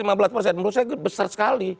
menurut saya besar sekali